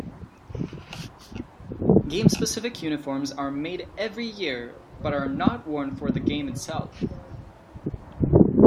Game-specific uniforms are made every year, but are not worn for the game itself.